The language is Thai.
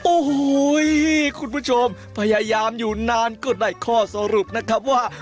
โอ้โหคุณผู้ชมพยายามอยู่นานก็ได้ข้อสรุปนะครับว่า